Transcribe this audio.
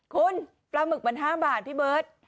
คุณปลาหมึกมัน๕บาทพี่เบิร์ต